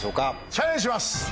チャレンジします！